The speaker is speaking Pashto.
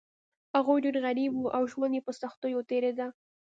هغوی ډیر غریب وو او ژوند یې په سختیو تیریده.